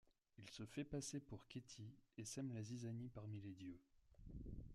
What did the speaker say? Il se fait passer pour Kheti et sème la zizanie parmi les dieux.